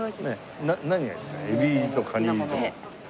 何がいいですか？